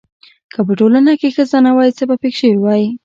که په ټولنه کې ښځه نه وای څه به پېښ شوي واي؟